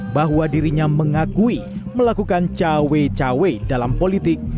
bahwa dirinya mengakui melakukan cawe cawe dalam politik